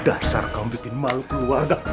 dasar kamu bikin malu keluarga